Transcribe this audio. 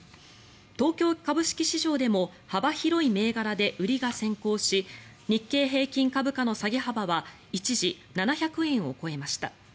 東京株式市場でも幅広い銘柄で売りが先行し日経平均株価の下げ幅は一時、７００円を超えました。